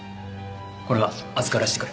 これは預からせてくれ。